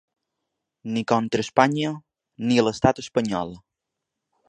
Ni contra Espanya ni l’estat espanyol.